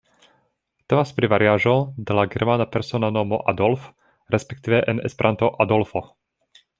Temas pri variaĵo de la germana persona nomo Adolf respektive en Esperanto Adolfo.